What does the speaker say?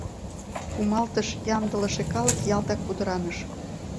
Кумалтыш ямдылыше калык ялтак пудыраныш.